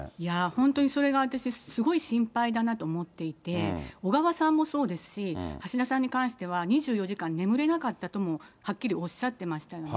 本当にそれが私、すごい心配だなと思っていて、小川さんもそうですし、橋田さんに関しては２４時間、眠れなかったともはっきりおっしゃってましたよね。